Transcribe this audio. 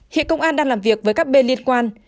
hiện công an đang làm việc với các bên liên quan